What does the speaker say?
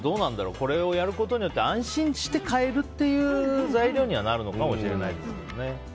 これをやることによって安心して買えるっていう材料にはなるのかもしれないですね。